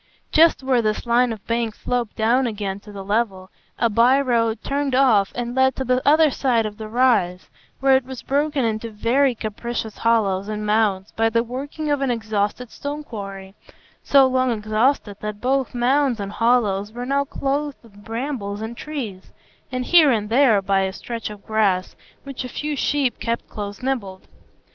Just where this line of bank sloped down again to the level, a by road turned off and led to the other side of the rise, where it was broken into very capricious hollows and mounds by the working of an exhausted stone quarry, so long exhausted that both mounds and hollows were now clothed with brambles and trees, and here and there by a stretch of grass which a few sheep kept close nibbled.